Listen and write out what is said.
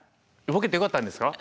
ボケてよかったんですか？